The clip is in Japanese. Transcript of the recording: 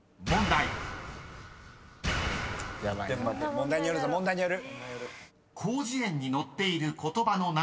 問題によるぞ問題による。